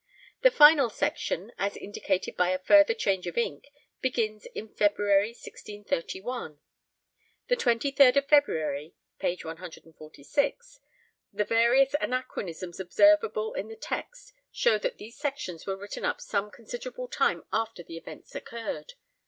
The final section, as indicated by a further change of ink, begins in February 1631: 'The 23rd of February' (page 146). The various anachronisms observable in the text show that these sections were written up some considerable time after the events occurred.